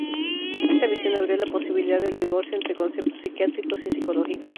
Esta visión abrió la posibilidad del divorcio entre conceptos psiquiátricos y psicológicos.